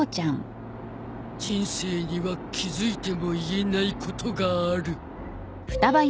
人生には気づいても言えないことがある。